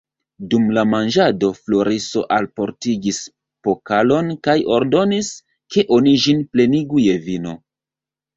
Dum la manĝado Floriso alportigis pokalon kaj ordonis, ke oni ĝin plenigu je vino.